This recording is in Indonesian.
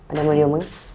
ada mau diomongin